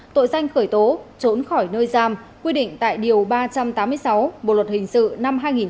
tội danh khởi tố trốn khỏi nơi giam quy định tại điều ba trăm tám mươi sáu bộ luật hình sự năm hai nghìn một mươi năm